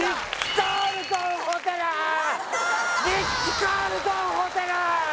リッツ・カールトンホテル！